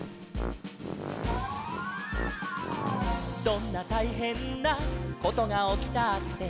「どんなたいへんなことがおきたって」